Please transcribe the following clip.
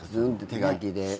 手書きで。